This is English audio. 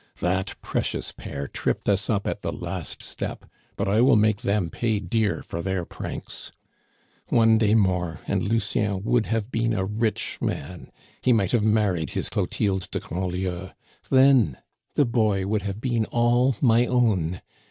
That precious pair tripped us up at the last step; but I will make them pay dear for their pranks. "One day more and Lucien would have been a rich man; he might have married his Clotilde de Grandlieu. Then the boy would have been all my own!